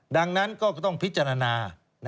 ดังนั้นก็ต้องพิจารณา